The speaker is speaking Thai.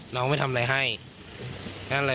น้องเอามาทำอะไรให้